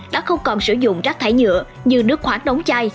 đã không còn sử dụng rác thải nhựa như nước khoáng đóng chai